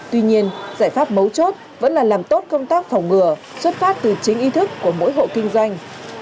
tuy nhiên giải pháp mấu chốt vẫn là làm tốt công tác phòng ngừa xuất phát từ chính ý thức của mỗi hộ kinh doanh